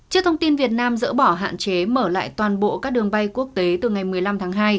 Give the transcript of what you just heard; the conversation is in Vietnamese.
trước thông tin việt nam dỡ bỏ hạn chế mở lại toàn bộ các đường bay quốc tế từ ngày một mươi năm tháng hai